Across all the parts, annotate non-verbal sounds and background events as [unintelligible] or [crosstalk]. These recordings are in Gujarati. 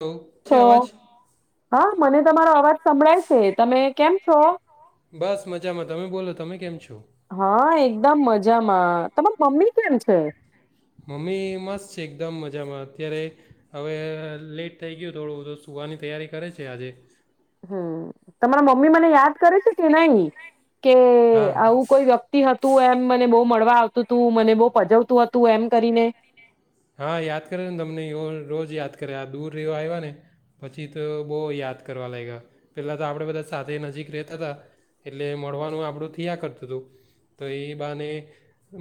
[unintelligible] છે અવાજ? છો હા મને તમારો અવાજ સંભળાય છે. તમે કેમ છો? બસ મજામાં. તમે બોલો. તમે કેમ છો? હા એકદમ મજામાં. તમાર મમ્મી કેમ છે? મમ્મી મસ્ત છે એકદમ મજામાં અત્યારે હવે લેટ થઈ ગયું થોડુંધું સુવાની તૈયારી કરે છે આજે. હમ. તમારા મમ્મી મને યાદ કરે છે કે નઈ? કે હા આવું કોઈ વ્યક્તિ હત તું એમ મને બહુ મળવા આવ તું મને બહુ પજવતું હતું એમ? કરીને હા યાદ કરે ને તમને રોજ યાદ કરે આ દૂર ર આવ્યાને પછી તો બહુ યાદ કરવા લાગ્યા. પેલા તો આપણેે બધા સાથે નજીક રહેતા હતા એટલે મળવાનું આપણું થયા કરતું હતું તો એ બાને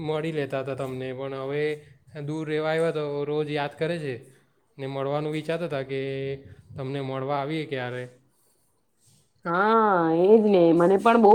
મળી લેતા હતા તમને પણ હવે દૂર રહેવા આવ્યા તો રોજ યાદ કરે છે. મળવાનું વિચારતા કે તમને મળવા આવીએ ક્યારેક. હા એજ ને મને પણ બહુ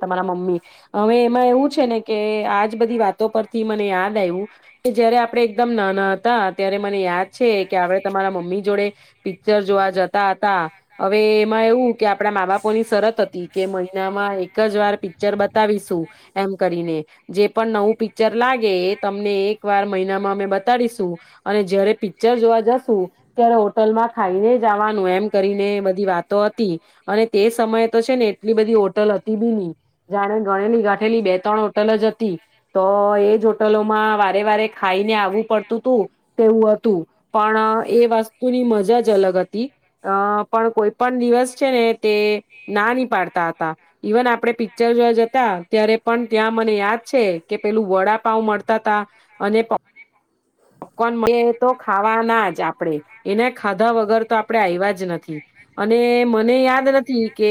તમારા મમ્મી હવે એમાં એવું છે ને કે આજ બધી વાતો પરથી મને યાદ આવ્યું કે જયારે આપડે એકદમ નાના હતા ત્યારે મને યાદ છે કે આપણે તમારા મમ્મી જોડે પિક્ચર જોવા જતા હતા હવે એમાં એવું કે આપણા મા બાપોની શરત હતી કે મહિનામાં એક જ વાર પિક્ચર બતાવીશું એમ કરીને જે પણ નવું પિક્ચર લાગે એ તમને એક વાર મહિનામાં અમે બતાડીશું અને જયારે પિક્ચર જોવા જશું ત્યારે હોટલમાં ખાઈને જવાનું એમ કરીને બધી વાતો અને તે સમયે તો છે ને એટલી બધી હોટલ હતી બીની જાણે ગણેલી ગાંઠેલી બે ત્રણ હોટલ જ હતી તો એજ હોટલોમાં વારે વારે ખાઈને આવવું પડતું હતું તેવું હતું પણ એ વસ્તુની મજા જ અલગ હતી અ પણ કોઈ પણ દિવસ ને નાની પાડતા હતા, ઇવન આપણે પિક્ચર જોવા જતા ત્યારે પણ ત્યાં મને યાદ છે કે પેલું વડાપાવ મળતા હતા અને પોપકોન તો ખાવાના જ આપણેે એના ખાધા વગર તો આપણેે આવ્યા જ નથી અને મને યાદ નથી કે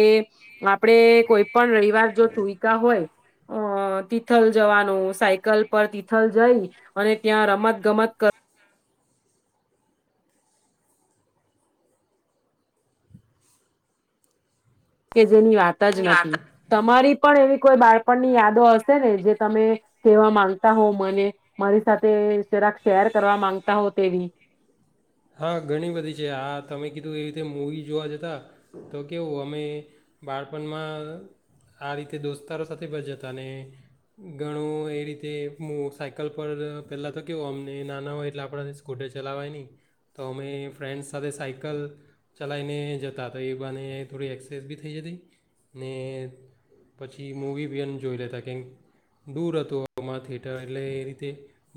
આપણે કોઈ પણ રવિવાર જો ચુઈકા હોય અ તિથલ જવાનું સાયકલ પર તિથલ જઈ અને ત્યાં રમત ગમત કર ની વાત જ નથી તમારી પણ એવી કોઈ બાળ પણની યાદો હશે ને જે તમે કવા માંગતા હો મને મારી સાથેરાક શેર કરવા માંગતા હો તેવી એવી રીતે મૂવી જોવા જતા તો કેવું અમે બાળપણમાં આ રીતે દોસ્તારો સાથે પણ જતા ને ઘણું એ રીતે હું સાયકલ પર પહેલાં તો કેવું અમને નાના હોય એટલે આપણા સ્કૂટર ચલાવાય નહીં તો અમે ફ્રેન્ડ્સ સાથે સાયકલ ચલાવીને જતા તો એ બા ને થોડી એક્સેસ બી થઈ જતી ને પછી મૂવી બી એન જોઈ લેતા કે દૂર હતું અમામાં થિયેટર એટલે એ રીતે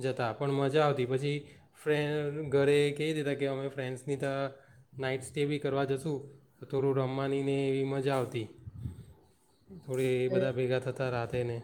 જતા પણ મજા આવતી પછી ફ્રેન્ ઘરે કહી દેતા કે અમે ફ્રેન્ડ્સની તો નાઈટ સ્ટે બી કરવા જશું થોડું રમવાનીને એવી મજા આવતી. થોડી બધા ભેગા રાતે ને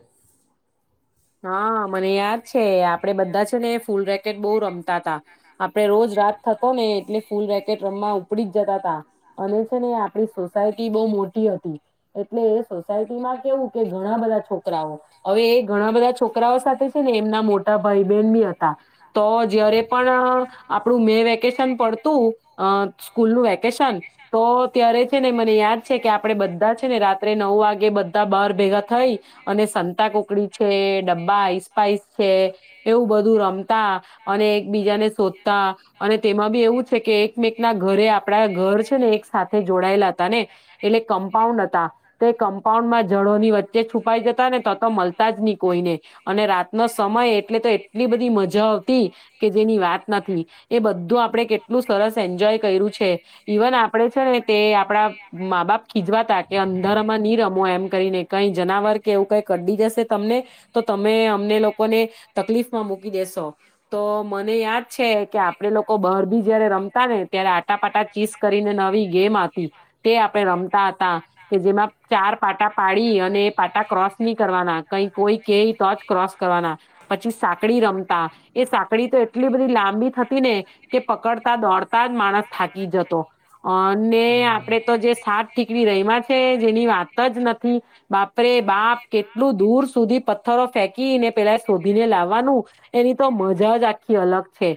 હા, મને યાદ છે આપડે બધા છે ને ફૂલ રેકેટ બહુ રમતા તા આપડે રોજ રાત થતો ને એટલે ફૂલ રેકેટ રમવા ઉપડી જ જતા તા અને છે ને આપડી સોસાયટી બહુ મોટી હતી એટલે એ સોસાયટીમાં કેવું કે ઘણા બધા છોકરાઓ હવે એ ઘણા બધા છોકરાઓ સાથે છે ને એમના મોટા ભાઈ બહેન બી હતા તો જયારે પણ આપડુ મે વેકેશન પડતું અહ સ્કૂલનું વેકેશન તો ત્યારે છે ને મને યાદ છે કે આપડે બધા છે ને રાત્રે નવ વાગ ગે બધા બાર ભેગા થઈ અને સંતા કોકડી છે ડબ્બાસ્પાઈસ છે એવું બધું રમતા અને એકબીજાને શોધતા અને તેમાં બી એવું છે કે એકમેક ના ઘરે આપડા ઘર છે ને એક સાથે જોડાયેલા હતા ને એટલે કમ્પાઉન્ડ હતા તો એ કંપ પાઉન્ડ માં જડોની વચ્ચે છુપાઈ જતા ને તો મલતા જ ની. કોઈને. અને રાતનો સમય એટલે તો એટલી બધી મજા આવતી કે જેની વાત નથી એ બધું આપણે કેટલું સરસ એન્જોય કર્યું છે ઈવન આપડે છે ને તે આપડા મા બાપ ખીજવાતા કે અંદરમાં માં એમ કરીને કઈ જનાવર કે એવું કઈ કડી જશે તમને તો તમે અમને લોકોને તકલીફમાં મૂકી દેેશો તો મને યાદ છે કે આપડે લોકો બહાર ભી જયારે રમતા ને ત્યારે આટાપાટા ચીસ કરીને નવી ગેમ હતી તે આપડે રમતા હતા કે જેમાં ચાર પાટા પાડી અને એ પાટા ક્રોસ નહી કરવાના કઈ કોઈ કે તો જ ક્રોસ કરવાના પછી સાંકડી રમતા એ સાકડી તો એટલી બધી લાંબી થતી ને કે પકડતા દોડતા જ માણસ થાકી જતો અને આપડે તો જે સાત ઠીકડી રહીમાં છે જે ની વાત જ નથી બાપરે બાપ કેટલું દૂર સુધી ફેંકીને પેલા શોધીને લાવવાનું એની તો મજા જ આખી અલગ છે.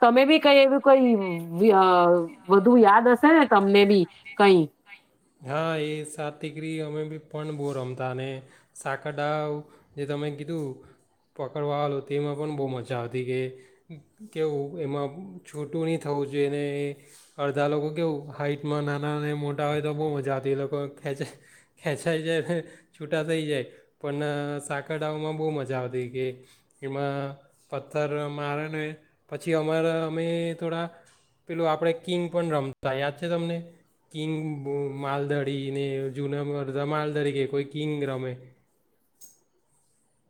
તમે બી કઈ એવું કઈ અ વધુ યાદ હશે ને તમને બી કઈ? હા એ સાત દીકરી અમે બી પણ બહુ રમતા ને સાકરડા જે તમે કીધું પકડવાવાલો તેમાં પણ બહુ મજા આવતી કે કેવું એમાં છૂટું નહીં થવું જોઈએને એ અડધા લોકો કેવું હાઈટમાં નાના મોટા હોય તો બહુ મજા આવતી એ લોકો ખેંચે. ખેંચાઈ જાય, છૂટા થઈ જાય પણ સાકર ડમાં બહુ મજા આવતી કે એમાં પથ્થર મારે પછી અમારા અમે થોડા પેલું આપડે કિંગ પણ રમતા યાદ છે તમને? કિંગ, માલદડીને જૂના રમાલ તરીકે કોઈ કિંગ રમે.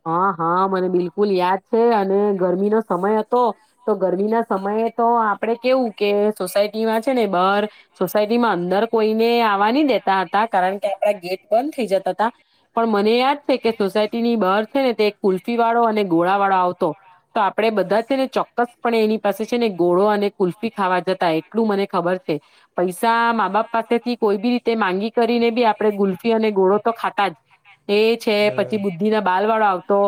હા હા મને બિલકુલ યાદ છે અને ગરમીનો સમય હતો. તો ગરમી ના સમયે તો આપડે કેવું કે સોસાયટીમાં છે ને બાર સોસાયટીમાં અંદર કોઈને આવવા ન દેતા હતા. કારણ કે આપડા ગેટ બંધ થઈ જતા હતા પણ મને યાદ છે કે સોસાયટીની બહર છે ને તે કુલ્ફી વાળો અને ગોળા વાળો આવતો તો આપડે બધા છે ને ચોક્કસ પણ એની પાસે છે ને ગોળો અને કુલ્ફી ખાવા જતા. એટલું મને ખબર છે પૈસા મા બાપ પાસેથી કોઈ બી તે માંગી કરીને બી આપડણે ગુલ્ફી અને ગોળો તો ખાતા જ. એ છે હા પછી બુદ્ધિ ના બાર વાળો આવતો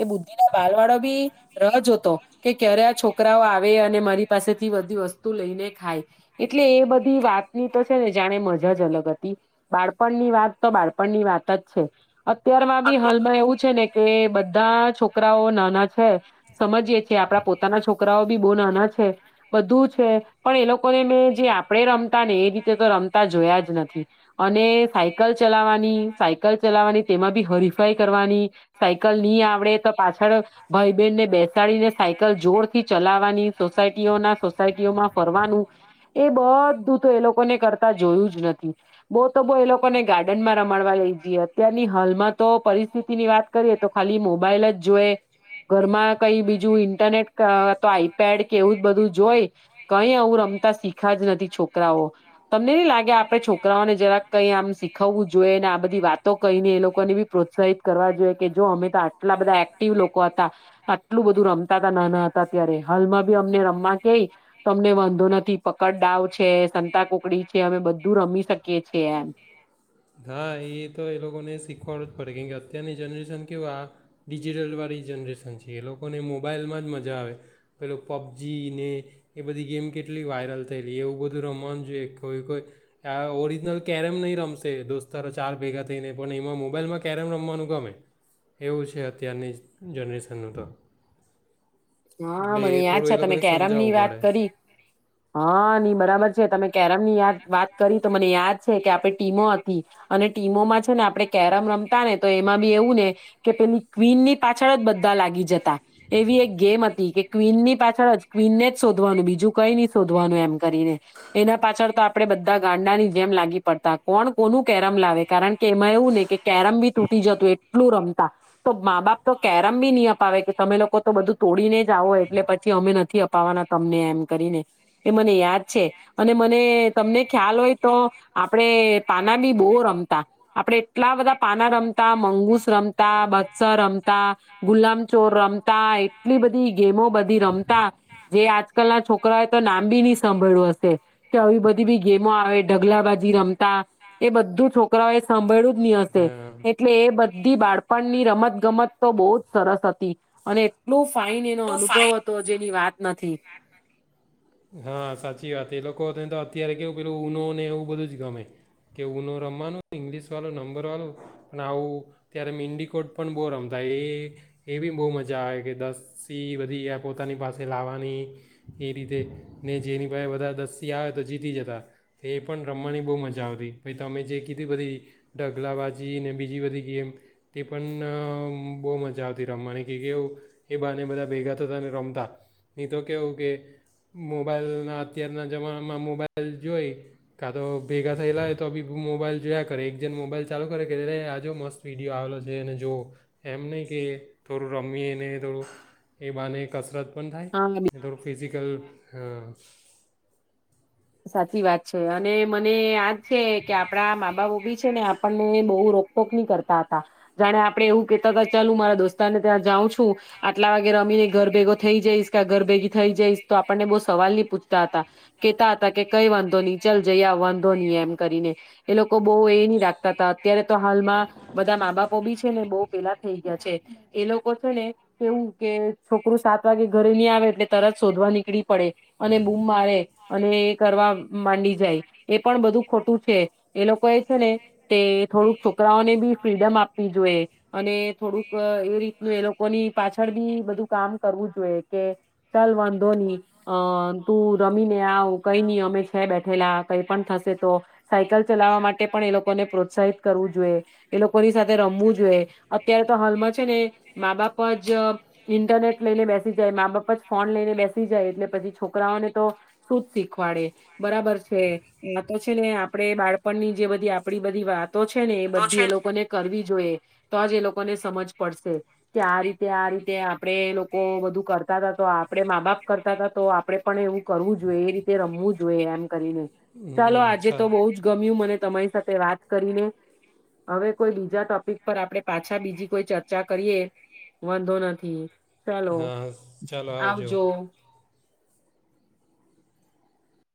એ બુદ્ધિ ના બાલ વાળો બી રા જોતો. કે કે રયા છોકરાઓ આવે અને મારી પાસેથી બધી વસ્તુ લઈને ખાય. એટલે એ બધી વાતની તો છે ને જાણે મજા જ અલગ હતી. બાળપણની વાત તો બાળપણની વાત જ છે. અત્યારમાં બી હાલમાં એવું જ કે બધા છોકરાઓ નાના છે સમજીયીએ આપડા પોતાના છોકરાઓ બી બહ નાના છે. બધું છે પણ એ લોકોને મેં જે આપણે તા ને એ રીતે તો રમતા જોયા જ નથી અને સાયકલ ચલાવવાની સાયકલ ચલાવવાની તેમાં બી હરીફાઈ કરવાની સાયકલ નહી આવડે તો પાછળ ભાઈ બહેનને બેસાડીને સાયકલ જોરથી ચલાવાની સોસાયટીઓ ના સોસાયટીઓમાં ફરવાનું એ બ તું તો એ લોકોને કરતા જોયું જ નથી. બવ તો બવ એ લોકોને ગાર્ડન માં રમાડવા લઈ જઈએ. અત્યારની હાલમાં તો પરિસ્થિતિ ની વાત કરીએ તો ખાલી મોબાઈલ જ જોએ. ઘરમાં કઈ બીજું ઇન્ટરનેટ કા તો આઈપેડ કે એવું જ બધું જોઈ, કઈ આવું રમતા શીખા જ નથ છોકરાઓ. તમને નહી લાગે આપડે છોકરાઓને જરાક કઈ આમ શીખવવું જોઈએ, ને આ બધી વાતો કહીને એ લોકો ને બી પ્રોત્સાહિત કરવા જોઈએ. કે જો અમે તો આટલા બધા એક્ટિવ લોકો હતા. આટલું બધું રમતા તા નાના હતા ત્યારે, હાલમાં બી અમને રમવા કેય તો અમને વાંધો નથી. પકડદાવ છે, સંતાકુકડી છે, અમે બધું રમી શકીએ છે એમ. હા એ તો એ લોકોને શીખવાડવું પડે, કેમકે અત્યારની જનરેશન કેવા આ ડિજિટલ વાળી જનરેશન છે, એ લોકોને મોબાઈલમાં જ મજા આવે. પેલું પબજી ને, એ બધી ગેમ કેટલી વાયરલ થઈ એ એવું બધું રમવાનું જોઈએ. કોઈ-કોઈ આ ઓરિજિનલ કેરેમ નહીં રમશે દોસ્તારો ચાર ભેગા થઈને, પણ એમાં મોબાઈલમાં કેરેમ રમવાનું ગમે. એવું છે અત્યારની જનરેશનનું તો. હા, એટલે મને એ યાદ થોડું એ છે તમે લોકોને કેરમ ની સમજાવવું વાત પડે. કરી, હા. ની બરાબર છે. તમે કેરમ ની યાદ વાત કરી તો મને યાદ છે કે આપણે ટીમો હતી, અને ટીમોમાં છે ને આપણે કેરમ રમતા ને તો એમાં બી એવું ને કે પેલી ક્વીન ની પાછળ જ બધા લાગી જતા, એવી એક ગેમ હતી કે ક્વીન ની પાછળ જ ક્વીનને જ શોધવાનું બીજું કંઈ નહી શોધવાનું એમ કરીને, એના પાછળ તો આપણે બધા ગાંડા ની જેમ લાગી પડતા, કોણ કોનું કેરમ લાવે કારણ કે એમાં એવું ને કે કેરમ બી તૂટી જતું, એટલું રમતા, તો મા બાપ તો કેરમ બી નહી અપાવે કે તમે લોકો તો બધું તોડીને જ આવો એટલે પછી અમે નથી અપાવવાના તમને એમ કરીને. એ મને યાદ છે. અને મને તમને ખ્યાલ હોય તો આપડે પાના બી બહુ રમતા, આપણેે એટલા બધા પાના રમતા, મંગુસ રમતા, બત્સર રમતા, ગુલામચોર રમતા, એટ ટલી બધી ગેમો બધી રમતા, જે આજકાલ ના છોકરાઓ એ તો નામ બી નહીં સાભળ્યું હશે, કે આવી બધી બી ગેમો આવે, ઢગલા બાજી રમતા, એ બધું છોકરાઓ એ સાંભળ્યું જ નહીં હશે, હા એટલે એ બધી બાળપણની રમત ગમત તો બહુ જ સરસ હતી. અને [unintelligible] ફાઈન એનો અનુભવ હતો, જેની વાત નથી હ સાચી વાત, એ લોકો ને તો અત્યારે કેવું પેલું ઉનો ને એવું બધું જ ગમે, કે ઉનો રમમાનું ને ઇંગ્લિશ વાળો, નંબર વાળો પણ આવું ત્યારે મીંડી કોટ પણ બહુ રમતા એ એ બી બહુ મજા આવે કે દસી બધી આ પોતાની પાસે લાવા ની એ રીતે ને જેની પાસે બધાર દસ્તી આવે તો જીતી જતા, એ પણ રમવાની બો મજા આવતી, પહિ તમે જે કીધી બધી ઢગલા બાજી, ને બીજી બધી ગેમ તે પણ બહુ મજા આવતી રમમાની કે કે એ બાને બધા ભેગા થતા ને રમતા. ની તો કેવું કે મોબાઈલના અત્યારના જમાનામાં મોબાઈલ જોઈ, કાં તો ભેગા થયેલા હોય તો બી મોબાઈલ જોયા કરે એક જણ મોબાઈલ ચાલુ કરે કે આ જો મસ્ત વિડીયો આવેલો છે એને જુઓ, એમ નહીં કે થોડું રમીએને થોડું એ બાને કસરત પણ હા એ ઘણું ફિઝિકલ હ. સાચી વાત છે. અને મને યાદ છે કે આપડા મા બાપો બી છે ને આપણને બહુ રોકટોક ની કરતા હતા, જાણે આપડે એવું કેતા હતા ચાલ હુ મારા દોસ્તાને ત્યાં જાઉં છું આટલા વાગે રમીને ઘર ભેગો થઈ જઈશ કે ઘર ભેગી થઇ જઈશ તો આપણને બહુ સવાલ ની પૂછતા હતા કેતા કે કઈ વાંધો નહી ચલ જઈયા વાંધો નહી એમ કરીને એ લોકો બહુ એ નહી રાખતા તા અત્યારે તો હાલમાં બધા મા બાપો બી છે ને બો પેલા થઈ ગયા છે, એ લોકો છે ને કેવું કે છોકરું સાત વાગે ઘરે નહી આવે એટલે તરત શોધવા નીકળી પડે અને બૂમ મારે અને કરવામ માંડી જાય, એ પણ બધું ખોટું છે, એ લોકો એ છે ને કે થોડુંક છોકરાઓને બી ફ્રીડમ આપી જોયે અને થોડુંક એ રીતનું એ લોકોની પાછળ બી બધું કામ કરવું જોયે કે ચાલ વાંધો ની અ તું રમીને આવ અમે છે બેઠેલા કઈ પણ થશે તો સાયકલ ચલાવવા માટે પણ એ લોકોને પ્રોત્સાહિત કરવું જોયે, એ લોકોની સાથે રમવું જોયે, અત્યારે તો હાલમાં છે ને મા બાપ અ જ ઇન્ટરનેટ લઈને બેસી જાય, મા બાપ અ જ ફોન લઈને બેસી જાય, એટલે પછી છોકરાઓને તો સુ શીખવા ડે, બરાબર છે નતો છે ને આપડે બાળપણની જે બધી આપડી બધી વાતો છે ને એ બધી એ લોકોને ક કરવી જોયે તો જ એ લોકોને સમજ પડશે કે આ રીતે આ રીતે આ આપણે એ લોકો બધું કરતા તા તો આપણે મા બાપ કરતા હતા તો આપણે પણ એવું કરવું જોઈએ એ રીતે તે રમવું જોયે એમ કરીને, ચાલો હમ આજે સા તો બહુ જ ગમ્યું મને તમારી સાથે વાત કરીને, હવે કોઈ બીજા ટોપિક પર આપણે પાછા બીજી કોઈ ચર્ચા કરીએ વાંધો નથી. ચાલો હા ચાલો આવજો.